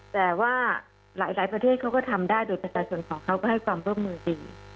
แต่ว่าหลายประเทศเขาก็ทำได้โดยประชาชนของเขาก็ให้ความร่วมมือดี